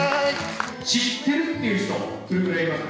知ってるっていう人どれくらいいますかね？